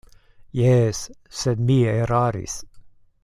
Jes, sed mi eraris.